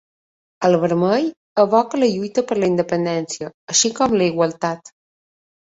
El vermell evoca la "lluita per la independència", així com la igualtat.